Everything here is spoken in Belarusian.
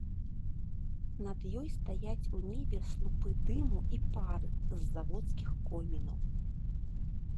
Над ёй стаяць у небе слупы дыму і пары з заводскіх комінаў.